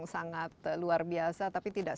sangat luar biasa tapi tidak